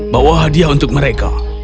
bawa hadiah untuk mereka